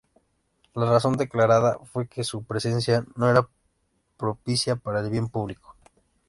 La razón declarada fue que su presencia "no era propicia para el bien público".